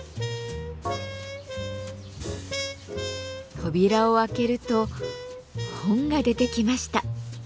扉を開けると本が出てきました。